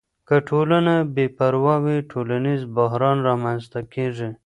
که ټولنه بې پروا وي، ټولنیز بحران رامنځته کیږي.